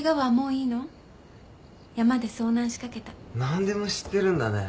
何でも知ってるんだね。